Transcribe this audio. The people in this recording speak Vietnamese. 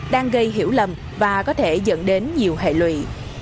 đang gây hiểu lầm và có thể dẫn đến nhiều hệ lụy